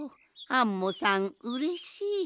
アンモさんうれしい！